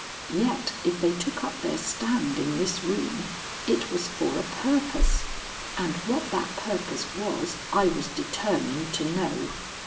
Yet if they took up their stand in this room it was for a purpose, and what that purpose was I was determined to know.